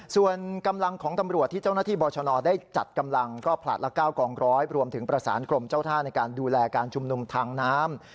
ส่วนกำลังของตำรวจที่เจ้าหน้าที่บรชนได้จัดกำลังก็ผลัดละ๙กองร้อยรวมถึงประสานกรมเจ้าท่าในการดูแลการชุมนุมทางน้ำ